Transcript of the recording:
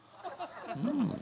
うん。